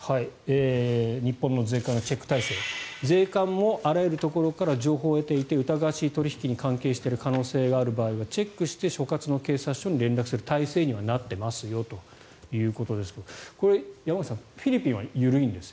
日本の税関のチェック体制税関もあらゆるところから情報を得ていて疑わしい取引に関係している可能性がある場合にはチェックして所轄の警察署に連絡する体制にはなっていますよということですがこれ、山口さんフィリピンは緩いんですよ。